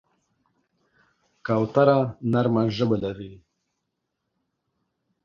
کوتره نرمه ژبه لري.